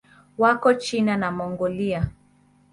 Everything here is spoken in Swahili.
Wako China na Mongolia.